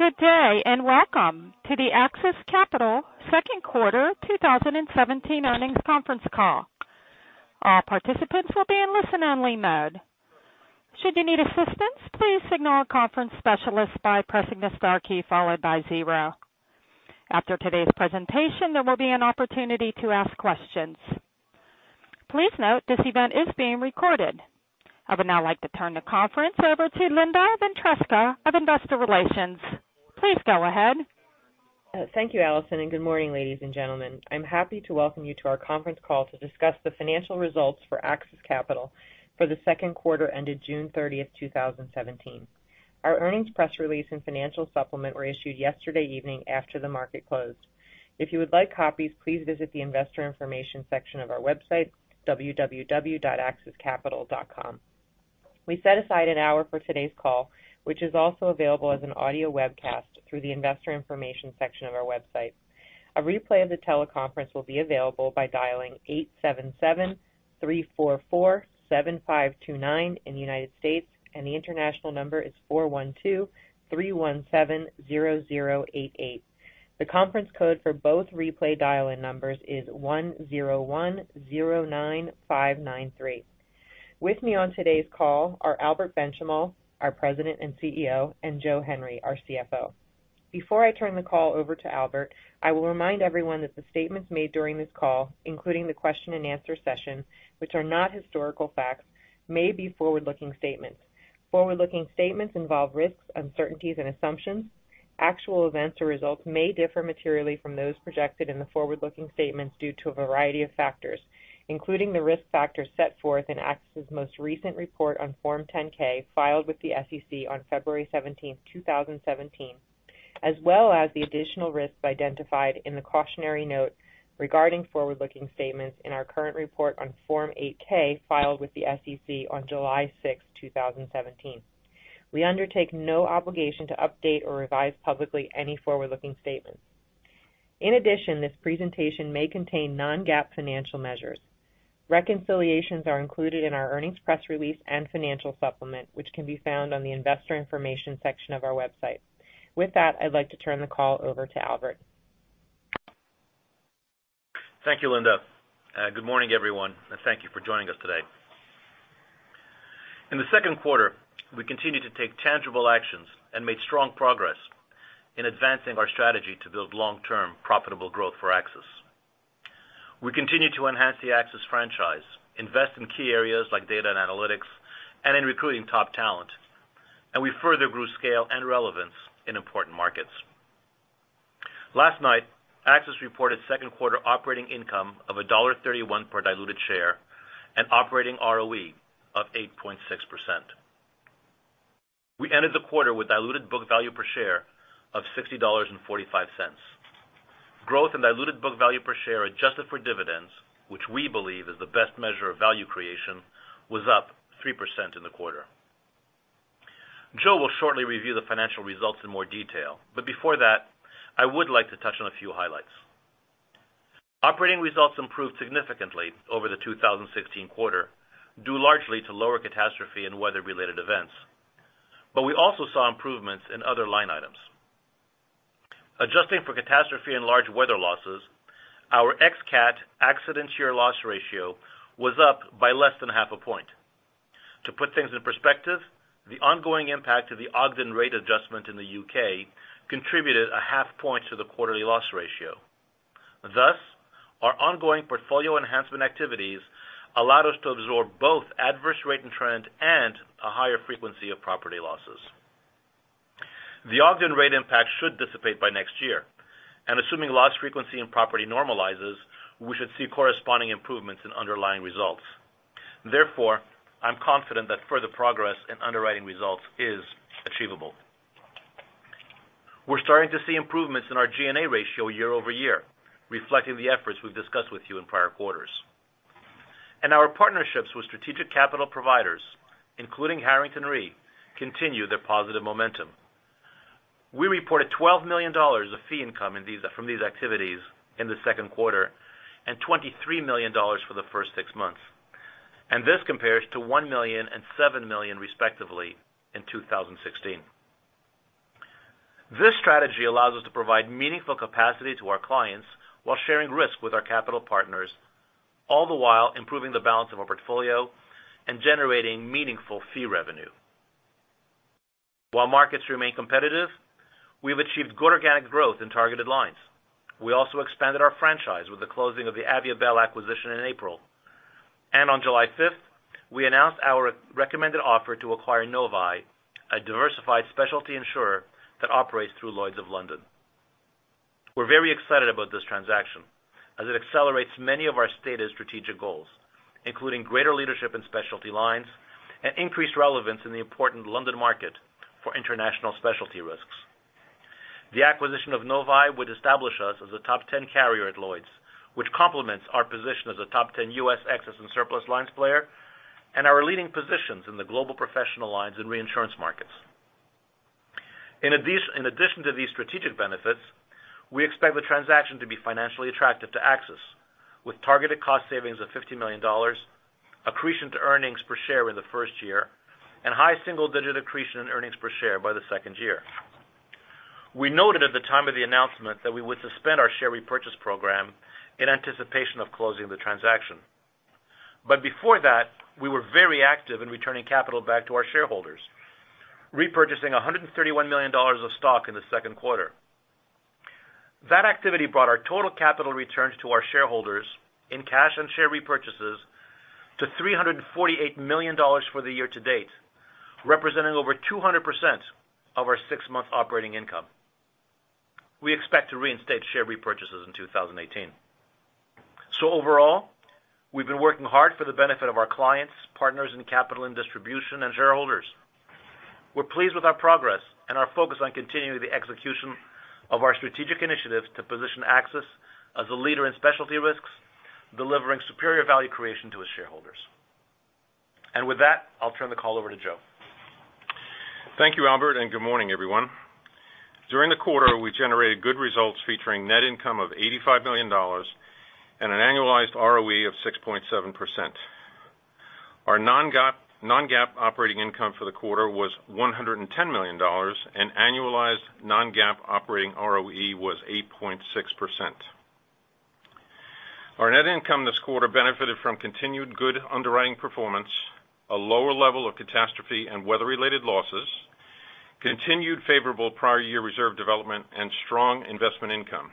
Good day, welcome to the AXIS Capital second quarter 2017 earnings conference call. All participants will be in listen-only mode. Should you need assistance, please signal a conference specialist by pressing the star key followed by zero. After today's presentation, there will be an opportunity to ask questions. Please note this event is being recorded. I would now like to turn the conference over to Linda Ventresca of Investor Relations. Please go ahead. Thank you, Allison, good morning, ladies and gentlemen. I'm happy to welcome you to our conference call to discuss the financial results for AXIS Capital for the second quarter ended June 30th, 2017. Our earnings press release and financial supplement were issued yesterday evening after the market closed. If you would like copies, please visit the investor information section of our website, www.axiscapital.com. We set aside an hour for today's call, which is also available as an audio webcast through the investor information section of our website. A replay of the teleconference will be available by dialing 877-344-7529 in the United States and the international number is 412-317-0088. The conference code for both replay dial-in numbers is 10109593. With me on today's call are Albert Benchimol, our President and CEO, and Joseph Henry, our CFO. Before I turn the call over to Albert, I will remind everyone that the statements made during this call, including the question and answer session, which are not historical facts, may be forward-looking statements. Forward-looking statements involve risks, uncertainties, and assumptions. Actual events or results may differ materially from those projected in the forward-looking statements due to a variety of factors, including the risk factors set forth in AXIS's most recent report on Form 10-K filed with the SEC on February 17th, 2017, as well as the additional risks identified in the cautionary note regarding forward-looking statements in our current report on Form 8-K filed with the SEC on July 6th, 2017. We undertake no obligation to update or revise publicly any forward-looking statements. In addition, this presentation may contain non-GAAP financial measures. Reconciliations are included in our earnings press release and financial supplement, which can be found on the investor information section of our website. With that, I'd like to turn the call over to Albert. Thank you, Linda. Good morning, everyone, and thank you for joining us today. In the second quarter, we continued to take tangible actions and made strong progress in advancing our strategy to build long-term profitable growth for AXIS. We continued to enhance the AXIS franchise, invest in key areas like data and analytics, and in recruiting top talent. We further grew scale and relevance in important markets. Last night, AXIS reported second quarter operating income of $1.31 per diluted share and operating ROE of 8.6%. We ended the quarter with diluted book value per share of $60.45. Growth in diluted book value per share adjusted for dividends, which we believe is the best measure of value creation, was up 3% in the quarter. Joe will shortly review the financial results in more detail, but before that, I would like to touch on a few highlights. Operating results improved significantly over the 2016 quarter, due largely to lower catastrophe and weather-related events. We also saw improvements in other line items. Adjusting for catastrophe and large weather losses, our ex-cat accident year loss ratio was up by less than half a point. To put things in perspective, the ongoing impact of the Ogden rate adjustment in the U.K. contributed a half point to the quarterly loss ratio. Thus, our ongoing portfolio enhancement activities allowed us to absorb both adverse rate and trend and a higher frequency of property losses. The Ogden rate impact should dissipate by next year. Assuming loss frequency and property normalizes, we should see corresponding improvements in underlying results. Therefore, I'm confident that further progress in underwriting results is achievable. We're starting to see improvements in our G&A ratio year-over-year, reflecting the efforts we've discussed with you in prior quarters. Our partnerships with strategic capital providers, including Harrington Re, continue their positive momentum. We reported $12 million of fee income from these activities in the second quarter and $23 million for the first six months. This compares to $1 million and $7 million respectively in 2016. This strategy allows us to provide meaningful capacity to our clients while sharing risk with our capital partners, all the while improving the balance of our portfolio and generating meaningful fee revenue. While markets remain competitive, we've achieved good organic growth in targeted lines. We also expanded our franchise with the closing of the Aviabel acquisition in April. On July 5th, we announced our recommended offer to acquire Novae, a diversified specialty insurer that operates through Lloyd's of London. We're very excited about this transaction as it accelerates many of our stated strategic goals, including greater leadership in specialty lines and increased relevance in the important London market for international specialty risks. The acquisition of Novae would establish us as a top 10 carrier at Lloyd's, which complements our position as a top 10 U.S. excess and surplus lines player and our leading positions in the global professional lines and reinsurance markets. In addition to these strategic benefits, we expect the transaction to be financially attractive to AXIS, with targeted cost savings of $50 million, accretion to earnings per share in the first year, and high single-digit accretion in earnings per share by the second year. We noted at the time of the announcement that we would suspend our share repurchase program in anticipation of closing the transaction. Before that, we were very active in returning capital back to our shareholders, repurchasing $131 million of stock in the second quarter. That activity brought our total capital returns to our shareholders, in cash and share repurchases, to $348 million for the year to date, representing over 200% of our six-month operating income. We expect to reinstate share repurchases in 2018. Overall, we've been working hard for the benefit of our clients, partners in capital and distribution, and shareholders. We're pleased with our progress and are focused on continuing the execution of our strategic initiatives to position AXIS Capital as a leader in specialty risks, delivering superior value creation to its shareholders. With that, I'll turn the call over to Joe. Thank you, Albert, and good morning, everyone. During the quarter, we generated good results featuring net income of $85 million and an annualized ROE of 6.7%. Our non-GAAP operating income for the quarter was $110 million, and annualized non-GAAP operating ROE was 8.6%. Our net income this quarter benefited from continued good underwriting performance, a lower level of catastrophe and weather-related losses, continued favorable prior year reserve development, and strong investment income.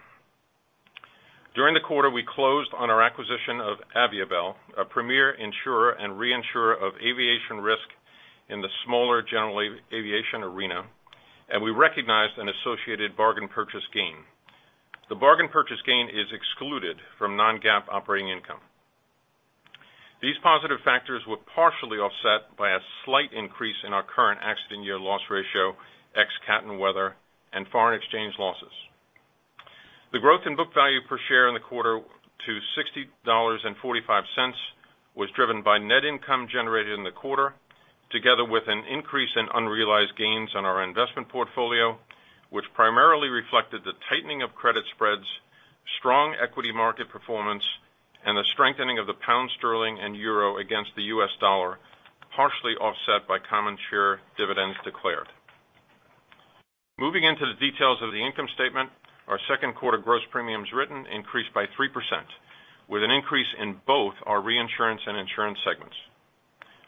During the quarter, we closed on our acquisition of Aviabel, a premier insurer and reinsurer of aviation risk in the smaller general aviation arena, and we recognized an associated bargain purchase gain. The bargain purchase gain is excluded from non-GAAP operating income. These positive factors were partially offset by a slight increase in our current accident year loss ratio, ex cat and weather, and foreign exchange losses. The growth in book value per share in the quarter to $60.45 was driven by net income generated in the quarter, together with an increase in unrealized gains on our investment portfolio, which primarily reflected the tightening of credit spreads, strong equity market performance, and the strengthening of the GBP and EUR against the US dollar, partially offset by common share dividends declared. Moving into the details of the income statement, our second quarter gross premiums written increased by 3%, with an increase in both our reinsurance and insurance segments.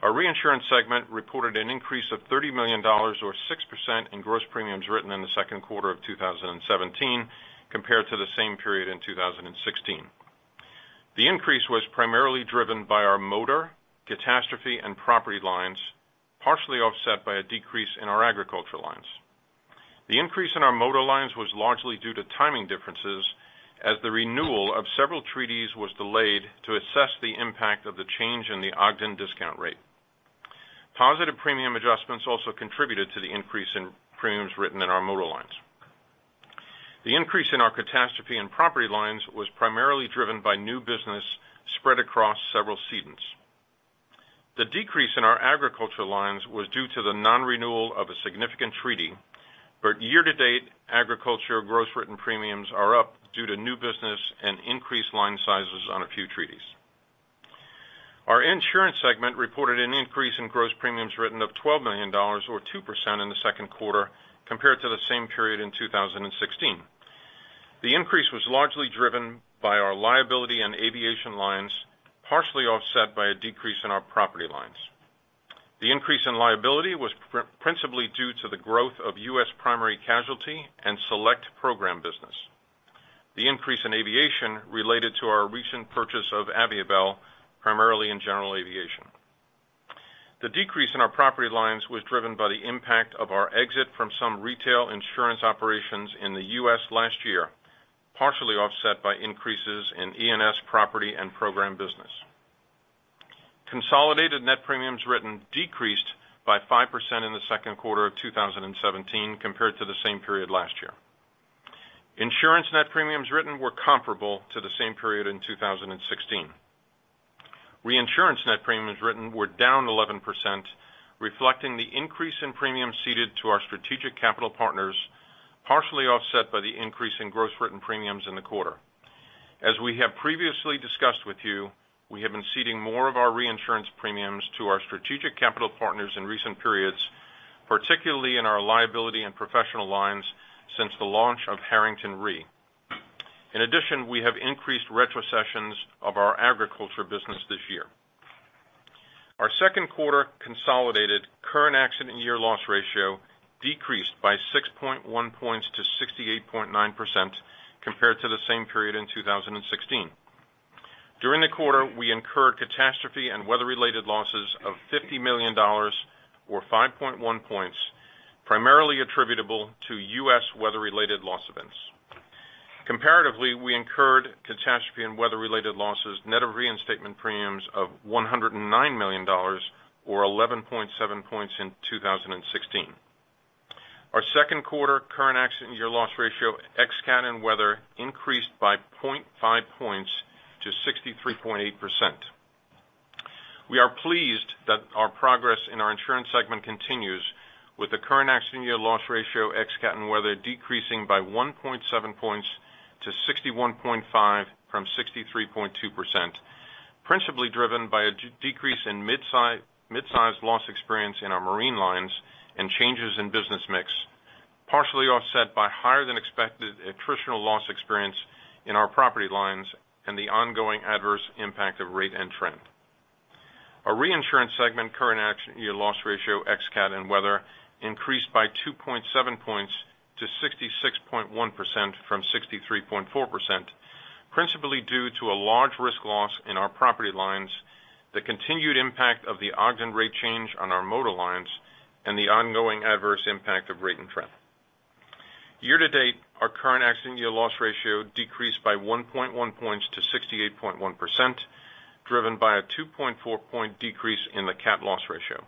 Our reinsurance segment reported an increase of $30 million or 6% in gross premiums written in the second quarter of 2017 compared to the same period in 2016. The increase was primarily driven by our motor, catastrophe, and property lines, partially offset by a decrease in our agriculture lines. The increase in our motor lines was largely due to timing differences, as the renewal of several treaties was delayed to assess the impact of the change in the Ogden discount rate. Positive premium adjustments also contributed to the increase in premiums written in our motor lines. The increase in our catastrophe and property lines was primarily driven by new business spread across several cedents. The decrease in our agriculture lines was due to the non-renewal of a significant treaty, but year to date, agriculture gross written premiums are up due to new business and increased line sizes on a few treaties. Our insurance segment reported an increase in gross premiums written of $12 million, or 2% in the second quarter, compared to the same period in 2016. The increase was largely driven by our liability and aviation lines, partially offset by a decrease in our property lines. The increase in liability was principally due to the growth of U.S. primary casualty and select program business. The increase in aviation related to our recent purchase of Aviabel, primarily in general aviation. The decrease in our property lines was driven by the impact of our exit from some retail insurance operations in the U.S. last year, partially offset by increases in E&S property and program business. Consolidated net premiums written decreased by 5% in the second quarter of 2017 compared to the same period last year. Insurance net premiums written were comparable to the same period in 2016. Reinsurance net premiums written were down 11%, reflecting the increase in premiums ceded to our strategic capital partners, partially offset by the increase in gross written premiums in the quarter. As we have previously discussed with you, we have been ceding more of our reinsurance premiums to our strategic capital partners in recent periods, particularly in our liability and professional lines since the launch of Harrington Re. In addition, we have increased retrocessions of our agriculture business this year. Our second quarter consolidated current accident year loss ratio decreased by 6.1 points to 68.9% compared to the same period in 2016. During the quarter, we incurred catastrophe and weather-related losses of $50 million, or 5.1 points, primarily attributable to U.S. weather-related loss events. Comparatively, we incurred catastrophe and weather-related losses net of reinstatement premiums of $109 million, or 11.7 points in 2016. Our second quarter current accident year loss ratio ex cat and weather increased by 3.8%. We are pleased that our progress in our insurance segment continues with the current accident year loss ratio ex cat and weather decreasing by 1.7 points to 61.5% from 63.2%, principally driven by a decrease in mid-size loss experience in our marine lines and changes in business mix, partially offset by higher than expected attritional loss experience in our property lines and the ongoing adverse impact of rate and trend. Our reinsurance segment current accident year loss ratio ex cat and weather increased by 2.7 points to 66.1% from 63.4%, principally due to a large risk loss in our property lines, the continued impact of the Ogden rate change on our motor lines, and the ongoing adverse impact of rate and trend. Year to date, our current accident year loss ratio decreased by 1.1 points to 68.1%, driven by a 2.4 point decrease in the cat loss ratio.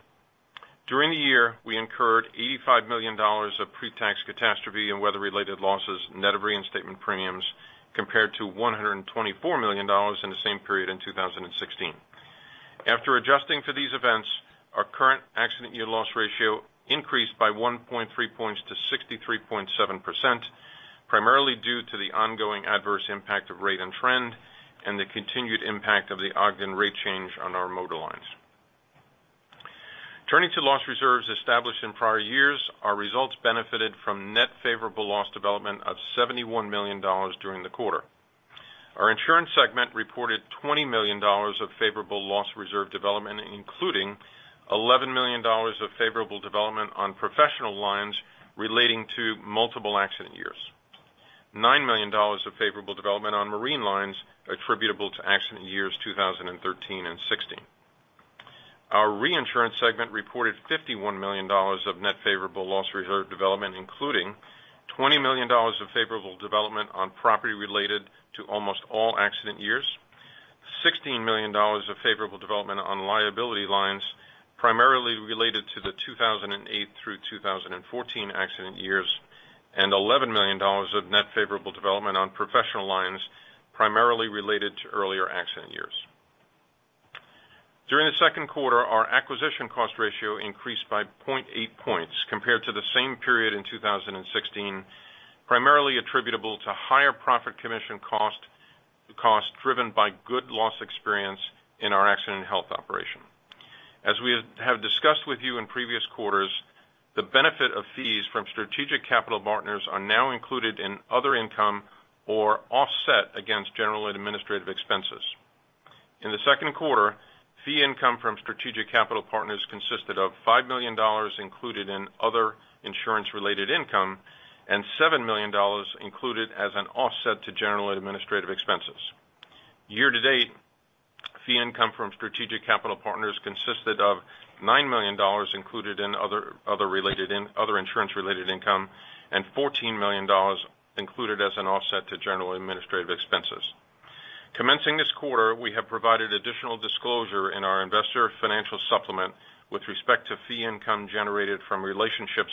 During the year, we incurred $85 million of pre-tax catastrophe and weather-related losses net of reinstatement premiums, compared to $124 million in the same period in 2016. After adjusting for these events, our current accident year loss ratio increased by 1.3 points to 63.7%, primarily due to the ongoing adverse impact of rate and trend and the continued impact of the Ogden rate change on our motor lines. Turning to loss reserves established in prior years, our results benefited from net favorable loss development of $71 million during the quarter. Our insurance segment reported $20 million of favorable loss reserve development, including $11 million of favorable development on professional lines relating to multiple accident years. $9 million of favorable development on marine lines attributable to accident years 2013 and 2016. Our reinsurance segment reported $51 million of net favorable loss reserve development, including $20 million of favorable development on property related to almost all accident years, $16 million of favorable development on liability lines, primarily related to the 2008 through 2014 accident years, and $11 million of net favorable development on professional lines, primarily related to earlier accident years. During the second quarter, our acquisition cost ratio increased by 0.8 points compared to the same period in 2016, primarily attributable to higher profit commission cost driven by good loss experience in our Accident and Health operation. As we have discussed with you in previous quarters, the benefit of fees from strategic capital partners are now included in other income or offset against general and administrative expenses. In the second quarter, fee income from strategic capital partners consisted of $5 million included in other insurance-related income and $7 million included as an offset to general administrative expenses. Year to date, fee income from strategic capital partners consisted of $9 million included in other insurance-related income, and $14 million included as an offset to general administrative expenses. Commencing this quarter, we have provided additional disclosure in our investor financial supplement with respect to fee income generated from relationships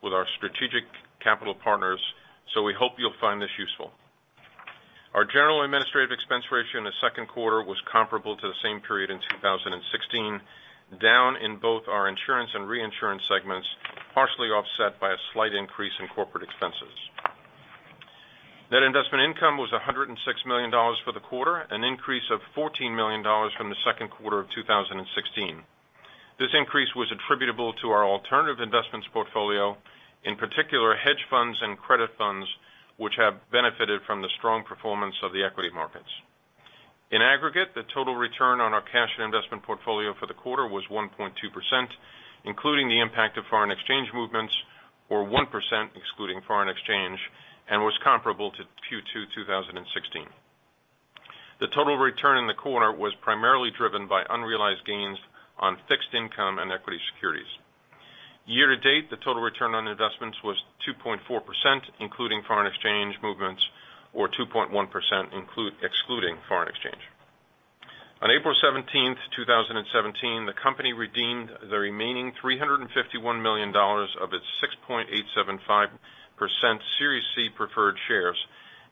with our strategic capital partners. We hope you'll find this useful. Our general administrative expense ratio in the second quarter was comparable to the same period in 2016, down in both our insurance and reinsurance segments, partially offset by a slight increase in corporate expenses. Net investment income was $106 million for the quarter, an increase of $14 million from the second quarter of 2016. This increase was attributable to our alternative investments portfolio, in particular hedge funds and credit funds, which have benefited from the strong performance of the equity markets. In aggregate, the total return on our cash and investment portfolio for the quarter was 1.2%, including the impact of foreign exchange movements, or 1% excluding foreign exchange, and was comparable to Q2 2016. The total return in the quarter was primarily driven by unrealized gains on fixed income and equity securities. Year to date, the total return on investments was 2.4%, including foreign exchange movements, or 2.1% excluding foreign exchange. On April 17th, 2017, the company redeemed the remaining $351 million of its 6.875% Series C preferred shares.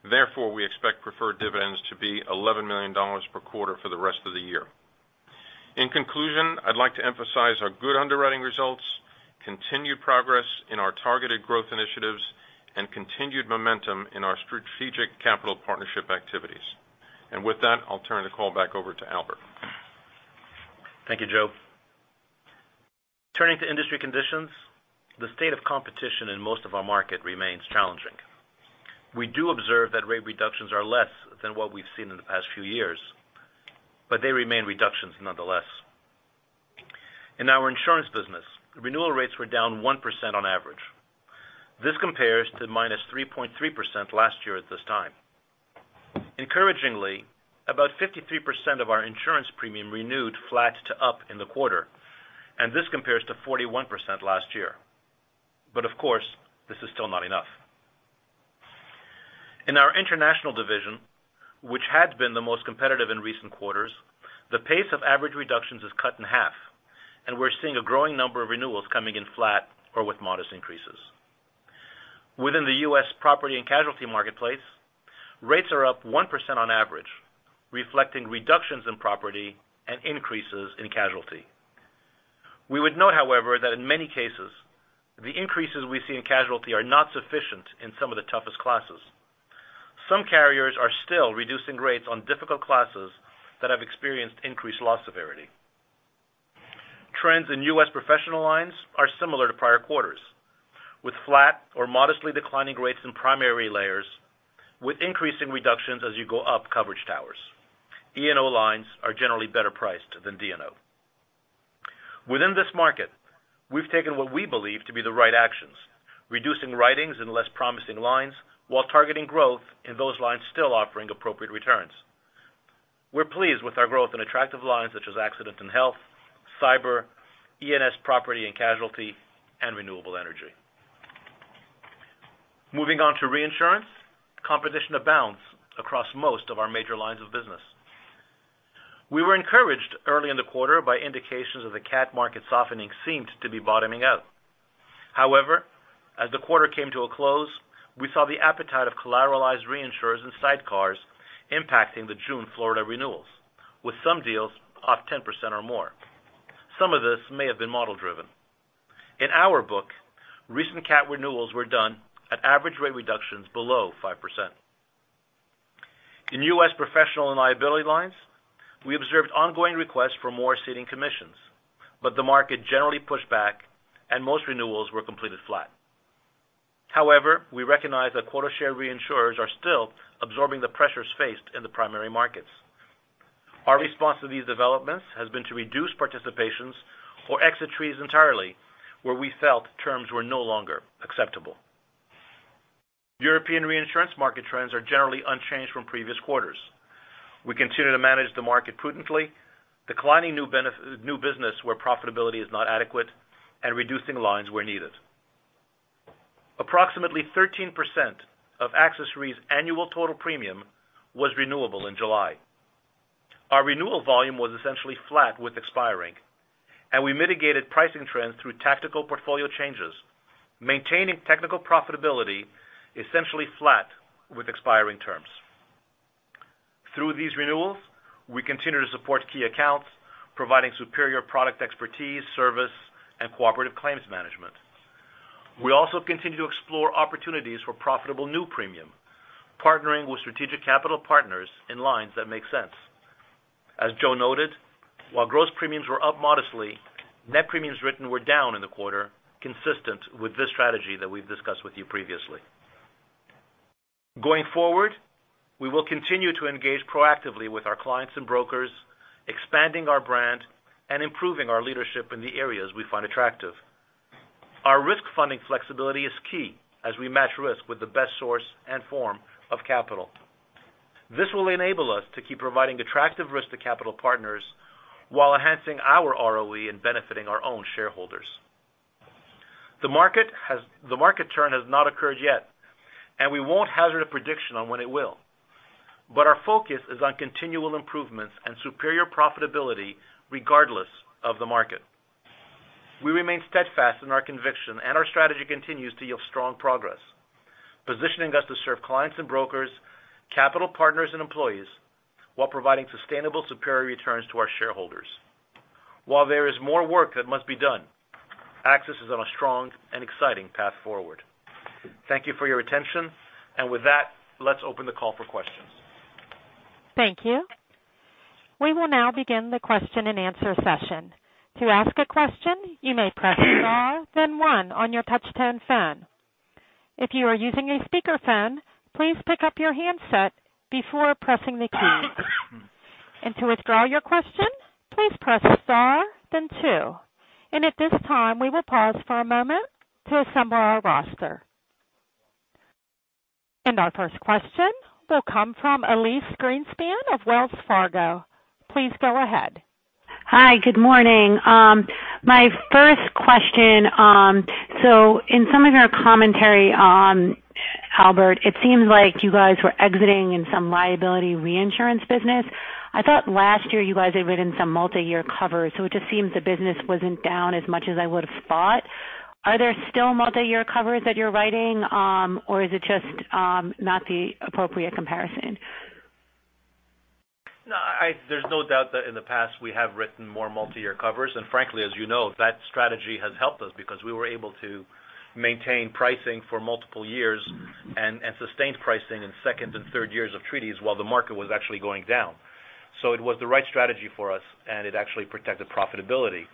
Therefore, we expect preferred dividends to be $11 million per quarter for the rest of the year. In conclusion, I'd like to emphasize our good underwriting results, continued progress in our targeted growth initiatives, and continued momentum in our strategic capital partnership activities. With that, I'll turn the call back over to Albert. Thank you, Joe. Turning to industry conditions, the state of competition in most of our market remains challenging. We do observe that rate reductions are less than what we've seen in the past few years, they remain reductions nonetheless. In our insurance business, renewal rates were down 1% on average. This compares to -3.3% last year at this time. Encouragingly, about 53% of our insurance premium renewed flat to up in the quarter, this compares to 41% last year. Of course, this is still not enough. In our international division, which had been the most competitive in recent quarters, the pace of average reductions is cut in half, we're seeing a growing number of renewals coming in flat or with modest increases. Within the U.S. property and casualty marketplace, rates are up 1% on average, reflecting reductions in property and increases in casualty. We would note, however, that in many cases, the increases we see in casualty are not sufficient in some of the toughest classes. Some carriers are still reducing rates on difficult classes that have experienced increased loss severity. Trends in U.S. professional lines are similar to prior quarters, with flat or modestly declining rates in primary layers, with increasing reductions as you go up coverage towers. E&O lines are generally better priced than D&O. Within this market, we've taken what we believe to be the right actions, reducing writings in less promising lines while targeting growth in those lines still offering appropriate returns. We're pleased with our growth in attractive lines such as Accident and Health, Cyber, E&S property and casualty, and Renewable Energy. Moving on to reinsurance, competition abounds across most of our major lines of business. We were encouraged early in the quarter by indications that the catastrophe market softening seemed to be bottoming out. However, as the quarter came to a close, we saw the appetite of collateralized reinsurers and sidecars impacting the June Florida renewals, with some deals off 10% or more. Some of this may have been model driven. In our book, recent catastrophe renewals were done at average rate reductions below 5%. In U.S. professional and liability lines, we observed ongoing requests for more ceding commissions, the market generally pushed back, most renewals were completed flat. However, we recognize that quota share reinsurers are still absorbing the pressures faced in the primary markets. Our response to these developments has been to reduce participations or exit treaties entirely where we felt terms were no longer acceptable. European reinsurance market trends are generally unchanged from previous quarters. We continue to manage the market prudently, declining new business where profitability is not adequate, reducing lines where needed. Approximately 13% of AXIS Re's annual total premium was renewable in July. Our renewal volume was essentially flat with expiring, we mitigated pricing trends through tactical portfolio changes, maintaining technical profitability essentially flat with expiring terms. Through these renewals, we continue to support key accounts, providing superior product expertise, service, and cooperative claims management. We also continue to explore opportunities for profitable new premium, partnering with strategic capital partners in lines that make sense. As Joe noted, while gross premiums were up modestly, net premiums written were down in the quarter, consistent with this strategy that we've discussed with you previously. Going forward, we will continue to engage proactively with our clients and brokers, expanding our brand and improving our leadership in the areas we find attractive. Our risk funding flexibility is key as we match risk with the best source and form of capital. This will enable us to keep providing attractive risk to capital partners while enhancing our ROE and benefiting our own shareholders. The market turn has not occurred yet, and we won't hazard a prediction on when it will. Our focus is on continual improvements and superior profitability regardless of the market. We remain steadfast in our conviction, our strategy continues to yield strong progress, positioning us to serve clients and brokers, capital partners, and employees, while providing sustainable superior returns to our shareholders. While there is more work that must be done, AXIS is on a strong and exciting path forward. Thank you for your attention. With that, let's open the call for questions. Thank you. We will now begin the question and answer session. To ask a question, you may press star, then one on your touch-tone phone. If you are using a speakerphone, please pick up your handset before pressing the key. To withdraw your question, please press star, then two. At this time, we will pause for a moment to assemble our roster. Our first question will come from Elyse Greenspan of Wells Fargo. Please go ahead. Hi. Good morning. My first question, in some of your commentary, Albert, it seems like you guys were exiting in some liability reinsurance business. I thought last year you guys had written some multi-year cover, it just seems the business wasn't down as much as I would've thought. Are there still multi-year covers that you're writing? Is it just not the appropriate comparison? No, there's no doubt that in the past, we have written more multi-year covers. Frankly, as you know, that strategy has helped us because we were able to maintain pricing for multiple years and sustained pricing in second and third years of treaties while the market was actually going down. It was the right strategy for us, it actually protected profitability.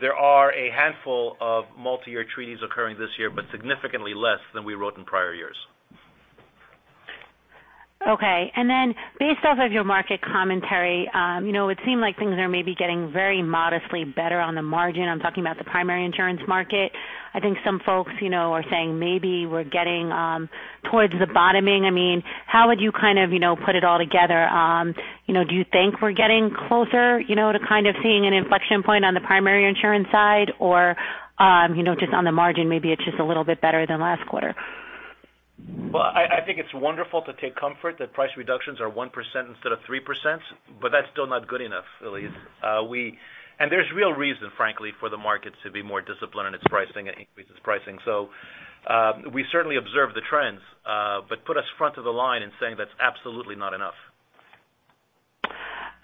There are a handful of multi-year treaties occurring this year, but significantly less than we wrote in prior years. Okay. Based off of your market commentary, it seemed like things are maybe getting very modestly better on the margin. I'm talking about the primary insurance market. I think some folks are saying maybe we're getting towards the bottoming. How would you kind of put it all together? Do you think we're getting closer to kind of seeing an inflection point on the primary insurance side, or just on the margin, maybe it's just a little bit better than last quarter? Well, I think it's wonderful to take comfort that price reductions are 1% instead of 3%, but that's still not good enough, Elyse. There's real reason, frankly, for the markets to be more disciplined in its pricing and increases pricing. We certainly observe the trends but put us front of the line in saying that's absolutely not enough.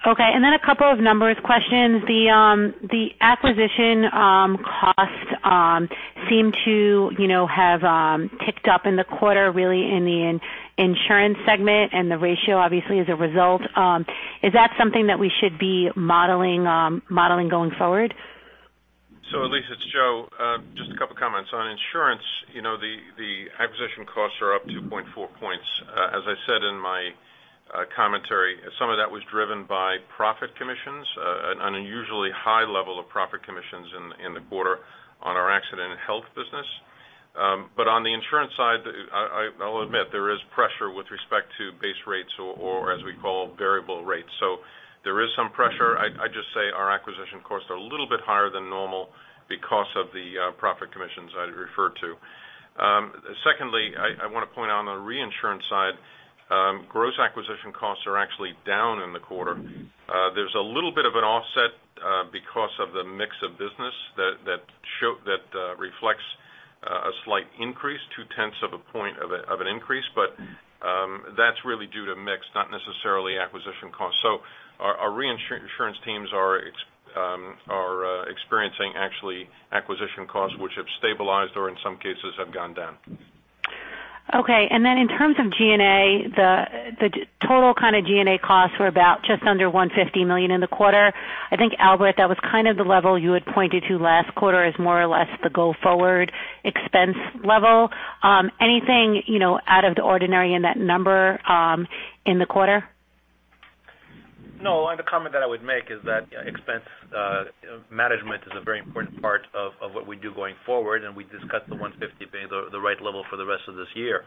Okay, a couple of numbers questions. The acquisition costs seem to have ticked up in the quarter, really in the insurance segment and the ratio obviously as a result. Is that something that we should be modeling going forward? Elyse, it's Joe. Just a couple comments. On insurance, the acquisition costs are up 2.4 points. As I said in my commentary, some of that was driven by profit commissions, an unusually high level of profit commissions in the quarter on our Accident and Health business. On the insurance side, I'll admit there is pressure with respect to base rates or as we call variable rates. There is some pressure. I just say our acquisition costs are a little bit higher than normal because of the profit commissions I referred to. Secondly, I want to point out on the reinsurance side, gross acquisition costs are actually down in the quarter. There's a little bit of an offset because of the mix of business that reflects a slight increase, two-tenths of a point of an increase. That's really due to mix, not necessarily acquisition costs. Our reinsurance teams are experiencing actually acquisition costs which have stabilized or in some cases have gone down. In terms of G&A, the total kind of G&A costs were about just under $150 million in the quarter. I think, Albert, that was kind of the level you had pointed to last quarter as more or less the go-forward expense level. Anything out of the ordinary in that number in the quarter? The comment that I would make is that expense management is a very important part of what we do going forward, we discussed the $150 being the right level for the rest of this year.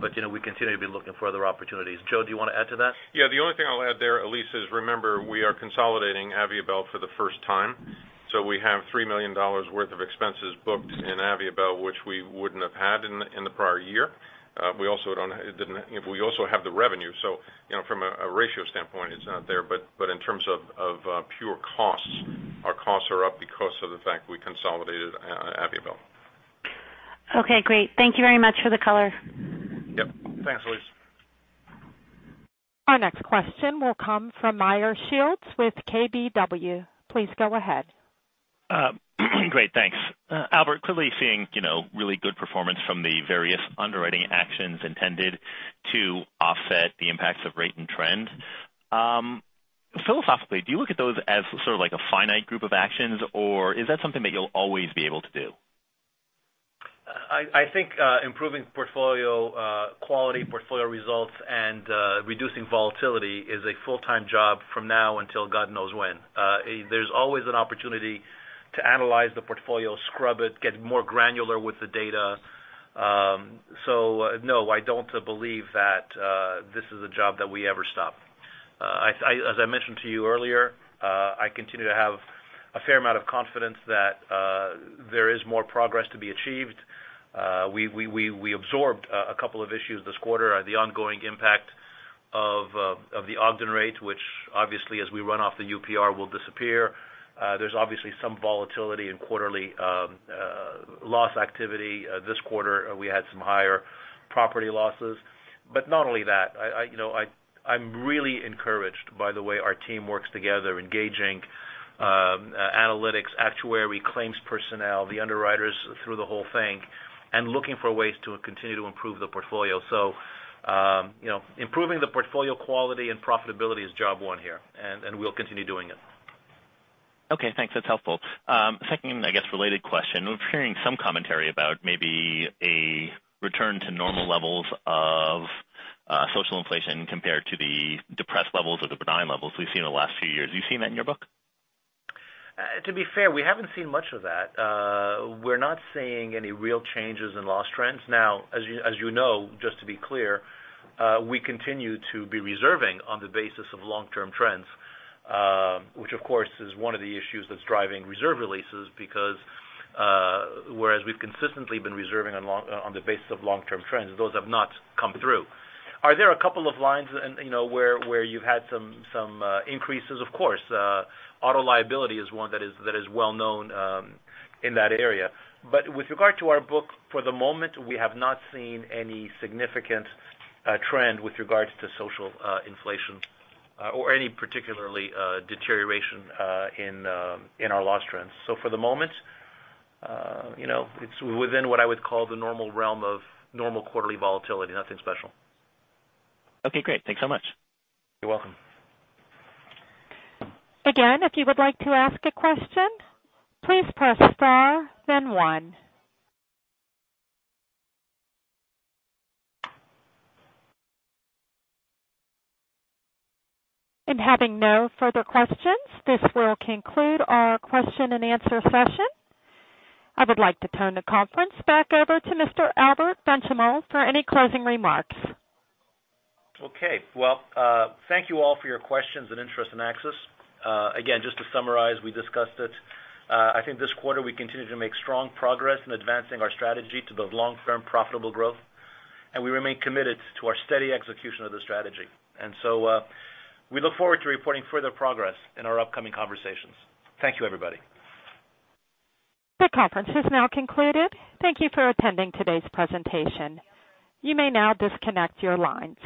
We continue to be looking for other opportunities. Joe, do you want to add to that? The only thing I'll add there, Elyse, is remember we are consolidating Aviabel for the first time. We have $3 million worth of expenses booked in Aviabel, which we wouldn't have had in the prior year. We also have the revenue, from a ratio standpoint, it's not there. In terms of pure costs, our costs are up because of the fact we consolidated Aviabel. Okay, great. Thank you very much for the color. Yep. Thanks, Elyse. Our next question will come from Meyer Shields with KBW. Please go ahead. Great, thanks. Albert, clearly seeing really good performance from the various underwriting actions intended to offset the impacts of rate and trend. Philosophically, do you look at those as sort of like a finite group of actions, or is that something that you'll always be able to do? I think improving portfolio quality, portfolio results, and reducing volatility is a full-time job from now until God knows when. There's always an opportunity to analyze the portfolio, scrub it, get more granular with the data. No, I don't believe that this is a job that we ever stop. As I mentioned to you earlier, I continue to have a fair amount of confidence that there is more progress to be achieved. We absorbed a couple of issues this quarter, the ongoing impact of the Ogden rate, which obviously as we run off the UPR will disappear. There's obviously some volatility in quarterly loss activity. This quarter, we had some higher property losses. Not only that, I'm really encouraged by the way our team works together, engaging analytics, actuary, claims personnel, the underwriters through the whole thing, and looking for ways to continue to improve the portfolio. Improving the portfolio quality and profitability is job one here, and we'll continue doing it. Okay, thanks. That's helpful. Second, I guess related question. We're hearing some commentary about maybe a return to normal levels of social inflation compared to the depressed levels or the benign levels we've seen in the last few years. Have you seen that in your book? To be fair, we haven't seen much of that. We're not seeing any real changes in loss trends. As you know, just to be clear, we continue to be reserving on the basis of long-term trends. Which of course is one of the issues that's driving reserve releases because whereas we've consistently been reserving on the basis of long-term trends, those have not come through. Are there a couple of lines and where you've had some increases? Of course. Auto liability is one that is well known in that area. With regard to our book, for the moment, we have not seen any significant trend with regards to social inflation or any particularly deterioration in our loss trends. For the moment, it's within what I would call the normal realm of normal quarterly volatility. Nothing special. Okay, great. Thanks so much. You're welcome. If you would like to ask a question, please press star, then one. Having no further questions, this will conclude our question and answer session. I would like to turn the conference back over to Mr. Albert Benchimol for any closing remarks. Okay. Well, thank you all for your questions and interest in AXIS. Just to summarize, we discussed it. I think this quarter we continued to make strong progress in advancing our strategy to build long-term profitable growth. We remain committed to our steady execution of the strategy. We look forward to reporting further progress in our upcoming conversations. Thank you, everybody. The conference is now concluded. Thank you for attending today's presentation. You may now disconnect your lines.